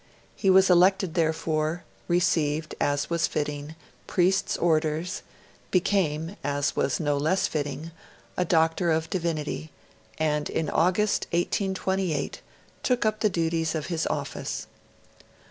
He was elected therefore; received, as was fitting, priest's orders; became, as was no less fitting, a Doctor of Divinity; and in August, 1828, took up the duties of his office.